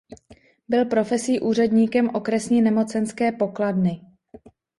Byl profesí úředníkem okresní nemocenské pokladny.